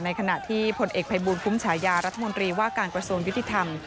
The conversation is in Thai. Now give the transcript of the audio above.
ขณะที่ผลเอกภัยบูลคุ้มฉายารัฐมนตรีว่าการกระทรวงยุติธรรม